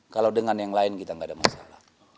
kalau dengan yang lain kita nggak ada masalah